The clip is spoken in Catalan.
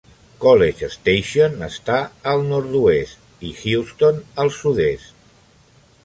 College Station està al nord-oest, i Houston al sud-est.